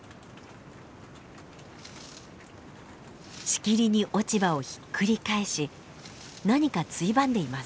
しきりに落ち葉をひっくり返し何かついばんでいます。